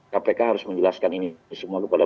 kpk harus menjelaskan ini semua kepada